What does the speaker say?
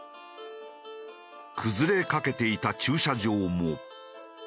崩れかけていた駐車場も。